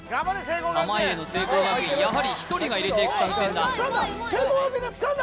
玉入れの聖光学院やはり１人が入れていく作戦だ聖光